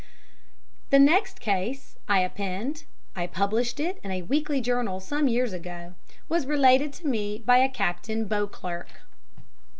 The next case I append (I published it in a weekly journal some years ago) was related to me by a Captain Beauclerk.